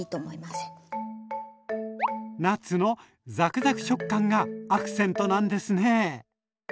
ナッツのザクザク食感がアクセントなんですね。